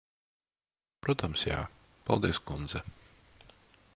Protams, jā. Paldies, kundze.